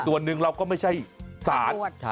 ส่วนหนึ่งเราก็ไม่ใช่สาร